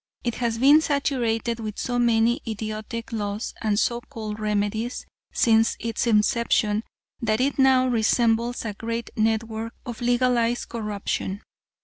It has been saturated with so many idiotic laws and so called remedies since its inception that it now resembles a great network of legalized corruption.